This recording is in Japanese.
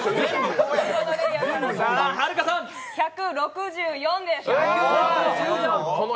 １６４です。